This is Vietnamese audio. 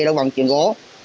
để vận chuyển gỗ